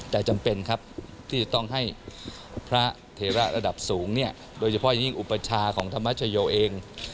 แต่จำเป็นครับที่จะต้องให้พระเทระระดับสูงเนี่ยโดยเฉพาะยิ่งอุปชาของธรรมชโยเอง